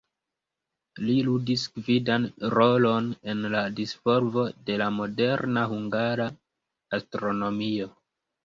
Li ludis gvidan rolon en la disvolvo de la moderna hungara astronomio.